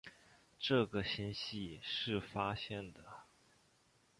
这个星系是发现的。